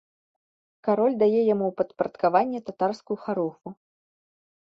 Кароль дае яму ў падпарадкаванне татарскую харугву.